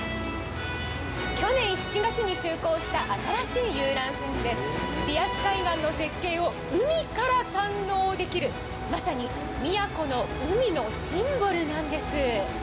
去年７月に就航した新しい遊覧船でリアス海岸の絶景を海から堪能できるまさに宮古の海のシンボルなんです。